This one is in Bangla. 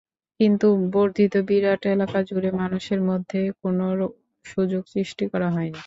কিন্তু বর্ধিত বিরাট এলাকাজুড়ে মানুষের মধ্যে কোনো সুযোগ সৃষ্টি করা হয়নি।